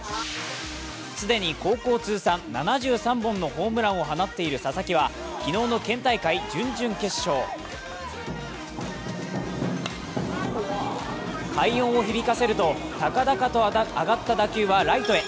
既に高校通算７３本のホームランを放っている佐々木は昨日の県大会、準々決勝快音を響かせると、高々と上がった打球はライトへ。